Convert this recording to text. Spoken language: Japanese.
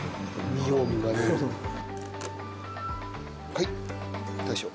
はい大将。